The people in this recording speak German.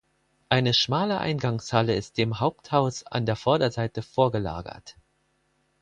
Eine schmale Eingangshalle ist dem Haupthaus an der Vorderseite vorgelagert.